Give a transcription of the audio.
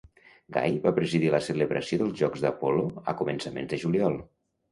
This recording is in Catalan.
Gai va presidir la celebració dels Jocs d'Apol·lo a començaments de juliol.